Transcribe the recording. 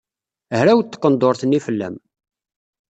Hrawet tqendurt-nni fell-am.